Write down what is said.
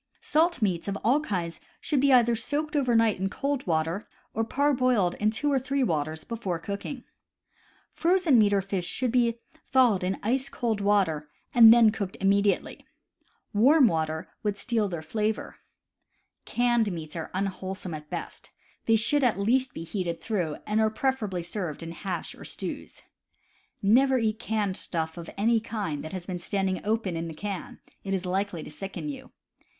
Salt meats of all kinds should either be soaked over night in cold water or parboiled in two or three waters before cooking. Frozen meat or fish should be thawed in ice cold water and then cooked immediately — warm water would steal CAMP COOKERY 131 their flavor. Canned meats are unwholesome at best; they should at least be heated through, and are pref erably served in hash or stews. Never eat canned stuff of any kind that has been standing open in the can: it is likely to sicken you.